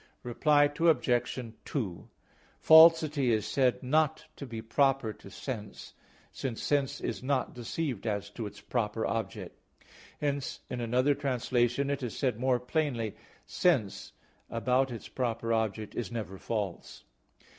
Reply Obj. 2: Falsity is said not to be proper to sense, since sense is not deceived as to its proper object. Hence in another translation it is said more plainly, "Sense, about its proper object, is never false."